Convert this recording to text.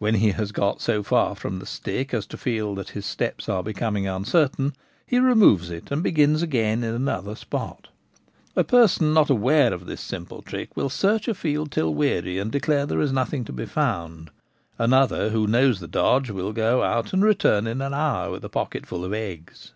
When he has got so far from the stick as to feel that his steps are becoming uncertain, he removes it, and begins again in another spot A person not aware of this simple trick will search a field till weary and declare there is nothing to be found ; another, who knows the dodge, will go out and return in an hour with a pocketful of eggs.